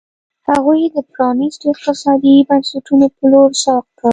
هغوی د پرانیستو اقتصادي بنسټونو په لور سوق کړ.